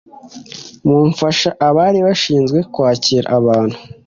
mumfasha Abari bashinzwe kwakira abantu